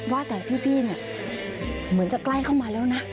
ว่าแต่พี่เนี่ยเหมือนจะใกล้เข้ามาแล้วนะ